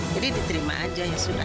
jadi diterima aja ya sudah